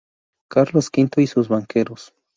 Carlos V y sus Banqueros.